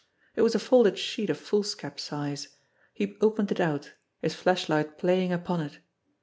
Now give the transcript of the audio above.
It was a folded sheet of foolscap size. He opened it out, his flashlight playing upon it.